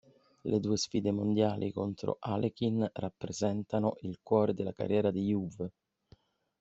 Le due sfide mondiali contro Alechin rappresentano il cuore della carriera di Euwe.